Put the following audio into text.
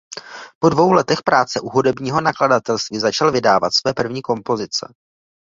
Po dvou letech práce u hudebního nakladatelství začal vydávat své první kompozice.